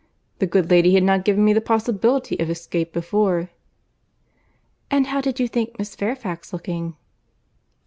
The good lady had not given me the possibility of escape before." "And how did you think Miss Fairfax looking?"